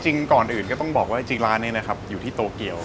ก่อนอื่นก็ต้องบอกว่าจริงร้านนี้นะครับอยู่ที่โตเกียว